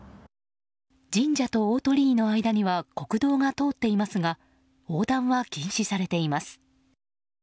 神社の大鳥居の間には国道が通っていますが横断は禁止されています。